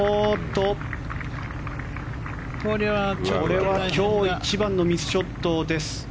これは今日一番のミスショットです。